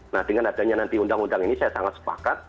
nah dengan adanya nanti undang undang ini saya sangat sepakat